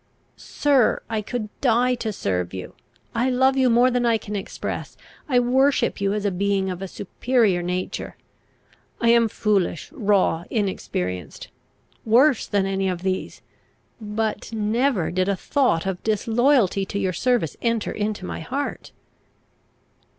] "Sir, I could die to serve you! I love you more than I can express. I worship you as a being of a superior nature. I am foolish, raw, inexperienced, worse than any of these; but never did a thought of disloyalty to your service enter into my heart."